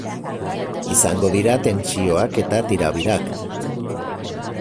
Izango dira tentsioak eta tirabirak.